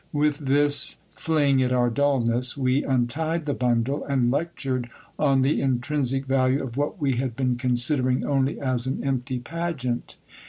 With this fling at our dulness, we untied the bundle, and lectured on the intrinsic value of what we had been considering only as an empty pageant.